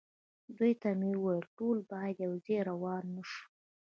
دوی ته مې وویل: ټول باید یو ځای روان نه شو.